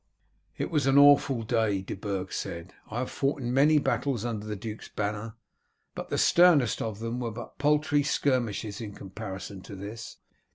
"It was an awful day," De Burg said. "I have fought in many battles under the duke's banner, but the sternest of them were but paltry skirmishes in comparison to this.